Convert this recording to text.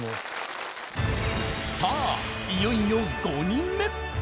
さあいよいよ５人目！